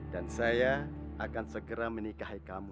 dan saya akan segera menikahi kamu